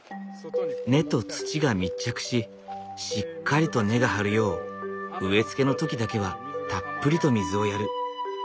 根と土が密着ししっかりと根が張るよう植え付けの時だけはたっぷりと水をやる。